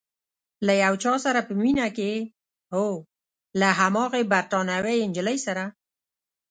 له یو چا سره په مینه کې یې؟ هو، له هماغې بریتانوۍ نجلۍ سره؟